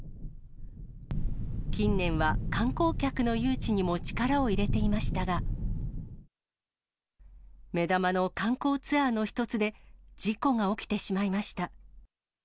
近年は観光客の誘致にも力を入れていましたが、目玉の観光ツアーの一つで、事故が起きてしまいました。